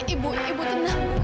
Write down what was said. ibu ibu tenang